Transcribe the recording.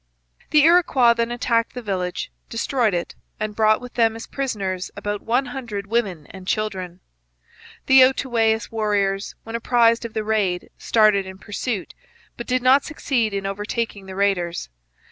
The Iroquois then attacked the village, destroyed it, and brought with them as prisoners about one hundred women and children. The Outaouais warriors, when apprised of the raid, started in pursuit, but did not succeed in overtaking the raiders.